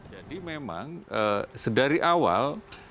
jadi memang sedari awal